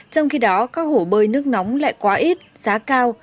trong khi đó các hồ bơi nước nóng lại quá ít giá cao